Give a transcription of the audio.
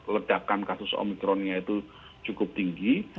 ledakan kasus omikronnya itu cukup tinggi